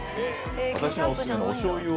私のおすすめのおしょうゆを。